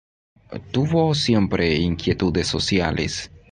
Tuvo siempre inquietudes sociales.